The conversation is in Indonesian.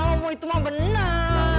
enggak om itu mah bener